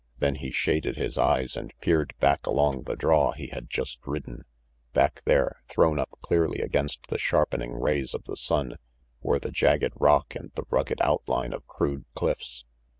Then he shaded his eyes and peered back along the draw he had just ridden. Back there, thrown up clearly against the sharpening rays of the sun, were the jagged rock and the rugged outline of crude cliffs.